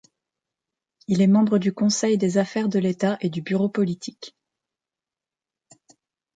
Il est membre du conseil des affaires de l'État et du bureau politique.